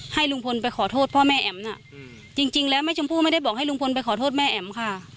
ให้ลุงพลไปขอโทษพ่อแม่แอ๋มน่ะจริงแล้วแม่ชมพู่ไม่ได้บอกให้ลุงพลไปขอโทษแม่แอ๋มค่ะ